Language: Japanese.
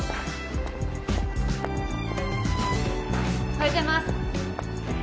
おはようございます。